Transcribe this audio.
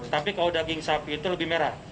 tapi kalau daging sapi itu lebih merah